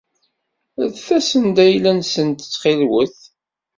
Rret-asent-d ayla-nsent ttxil-wet.